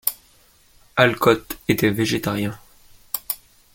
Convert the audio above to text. Alcott était végétarien.